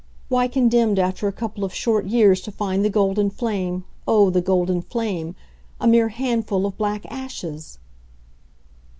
why condemned after a couple of short years to find the golden flame oh, the golden flame! a mere handful of black ashes?"